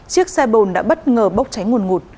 chiếc xe bồn đã bất ngờ bốc cháy nguồn ngụt